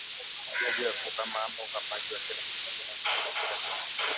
ufugaji wa kuhamahama uhamaji wa kila msimu na mifumomseto